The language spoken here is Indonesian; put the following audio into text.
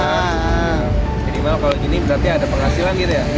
ah minimal kalau gini berarti ada penghasilan gitu ya